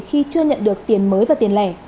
khi chưa nhận được tiền mới và tiền lẻ